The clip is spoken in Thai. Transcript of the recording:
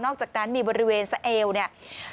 จากนั้นมีบริเวณสะเอวเนี่ย